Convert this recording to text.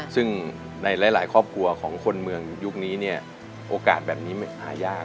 ซึ่งในหลายครอบครัวของคนเมืองยุคนี้เนี่ยโอกาสแบบนี้หายาก